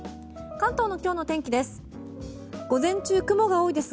関東の今日の天気です。